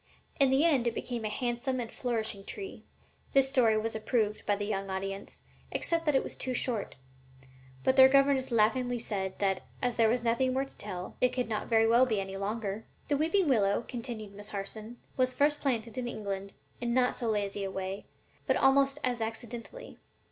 In the end it became a handsome and flourishing tree." This story was approved by the young audience, except that it was too short; but their governess laughingly said that, as there was nothing more to tell, it could not very well be any longer. [Illustration: THE WEEPING WILLOW (Salix Babylonica).] "The weeping willow," continued Miss Harson, "was first planted in England in not so lazy a way, but almost as accidentally.